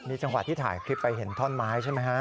จังหวะที่ถ่ายคลิปไปเห็นท่อนไม้ใช่ไหมฮะ